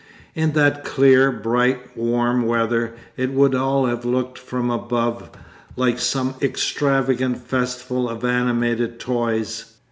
In that clear, bright, warm weather, it would all have looked from above like some extravagant festival of animated toys.